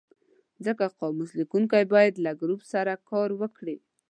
ځکه قاموس لیکونکی باید له ګروپ سره کار وکړي.